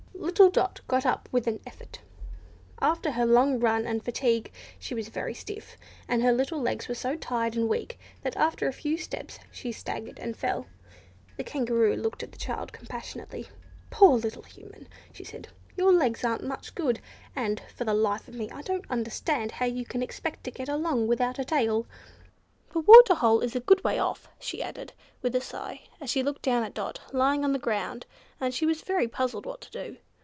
Little Dot got up with an effort. After her long run and fatigue, she was very stiff, and her little legs were so tired and weak, that after a few steps she staggered and fell. The Kangaroo looked at the child compassionately. "Poor little Human," she said, "your legs aren't much good, and, for the life of me, I don't understand how you can expect to get along without a tail. The water hole is a good way off," she added, with a sigh, as she looked down at Dot, lying on the ground, and she was very puzzled what to do.